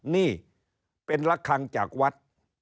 นี่เป็นละครั้งจากวัด